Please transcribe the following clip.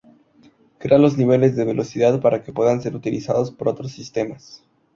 Crea los niveles de velocidad para que puedan ser utilizados por otros sistemas.